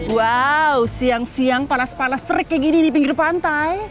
wow siang siang panas panas serik kayak gini di pinggir pantai